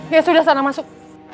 ya sudah sana masuk